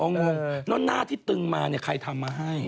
งงแล้วหน้าที่ตึงมาเนี่ยใครทำมาให้